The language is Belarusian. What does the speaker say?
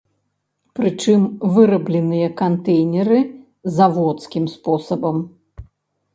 Прычым, вырабленыя кантэйнеры заводскім спосабам.